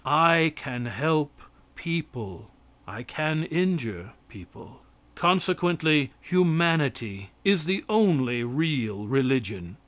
I can help people; I can injure people. Consequently humanity is the only real religion.